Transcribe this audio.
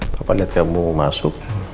papa liat kamu masuk